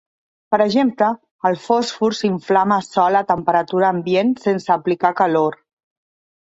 Per exemple, el fòsfor s'inflama sol a temperatura ambient sense aplicar calor.